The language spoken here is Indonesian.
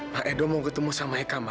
ma edo mau ketemu sama eka ma